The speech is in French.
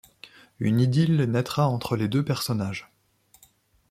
Une idylle naîtra entre les deux personnages.